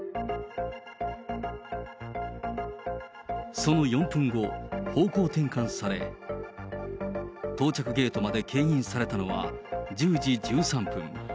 その４分後、方向転換され、到着ゲートまでけん引されたのは１０時１３分。